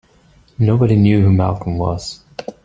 Nobody knew who Malcolm was.